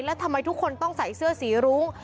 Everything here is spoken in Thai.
แล้วทำไมทุกคนต้องใส่เสื้อสีรุ้ง